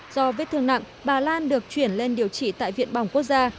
do vết thương nặng bà lan được chuyển lên điều trị tại viện bỏng quốc gia